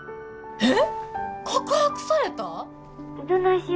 えっ！